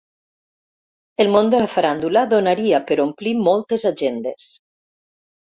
El món de la faràndula donaria per omplir moltes agendes.